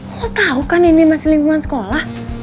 lo tau kan ini masih lingkungan sekolah